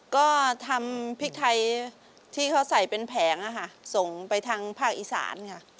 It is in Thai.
ก็ทำพริกไทยที่เขาใส่เป็นแผงส่งไปทางภาคอีสานค่ะ